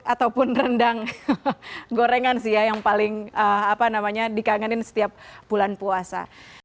ataupun rendang gorengan sih ya yang paling dikangenin setiap bulan puasa